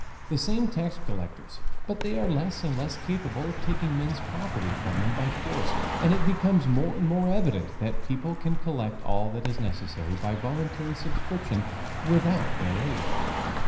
The same tax collectors, but they are less and less capable of taking men's property from them by force, and it becomes more and more evident that people can collect all that is necessary by voluntary subscription without their aid.